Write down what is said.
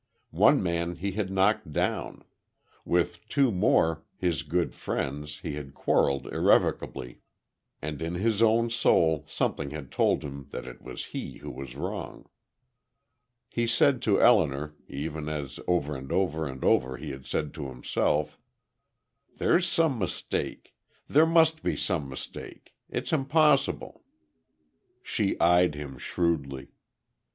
One man he had knocked down. With two more, his good friends, he had quarreled irrevocably. And in his own soul, something had told him that it was he who was wrong. He said to Elinor; even as over and over and over he had said to himself: "There's some mistake. There must be some mistake. It's impossible." She eyed him shrewdly.